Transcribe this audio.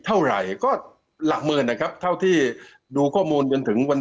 เท่าไหร่ก็หลักหมื่นนะครับเท่าที่ดูข้อมูลจนถึงวัน